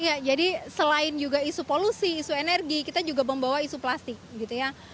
ya jadi selain juga isu polusi isu energi kita juga membawa isu plastik gitu ya